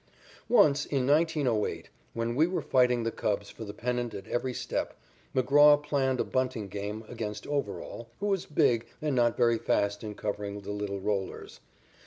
Once, in 1908, when we were fighting the Cubs for the pennant at every step, McGraw planned a bunting game against Overall, who is big and not very fast in covering the little rollers.